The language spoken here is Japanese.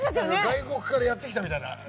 外国からやってきたみたいな。